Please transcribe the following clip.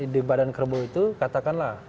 di badan kerbau itu katakanlah